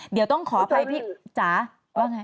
เดี๋ยวต้องขออภัยพี่จ๋าว่าไง